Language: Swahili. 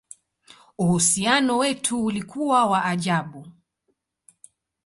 Uhusiano wetu ulikuwa wa ajabu!